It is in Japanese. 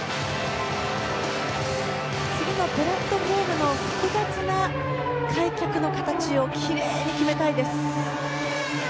次のプラットフォームの複雑な開脚の形をきれいに決めたいです。